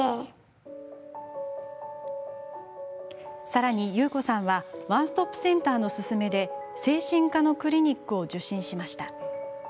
さらに、ユウコさんはワンストップセンターの勧めで精神科のクリニックを受診しました。